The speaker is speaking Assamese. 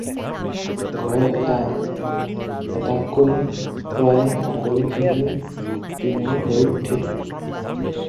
ঘৰ এটা এটাকৈ প্ৰায় সকলোখিনিয়েই টিনৰ হৈ উঠিল।